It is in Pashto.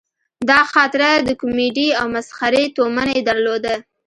دا خاطره د کومیډي او مسخرې تومنه یې درلوده.